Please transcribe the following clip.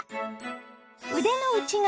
腕の内側